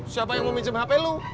siapa yang mau minjem hp lo